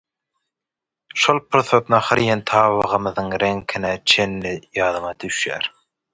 şol pursat nahar iýen tabagymyzyň reňkine çenli ýadyma düşýär